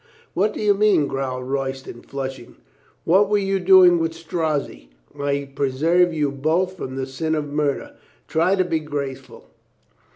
"What do you mean?" growled Royston, flush ing. "What were you doing with Strozzi ?" "I preserved you both from the sin of murder. Try to be grateful."